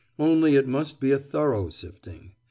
Only it must be a thorough sifting.